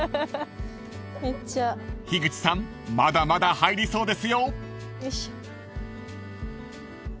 ［樋口さんまだまだ入りそうですよ］